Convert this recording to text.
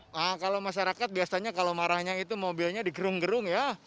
nah kalau masyarakat biasanya kalau marahnya itu mobilnya digerung gerung ya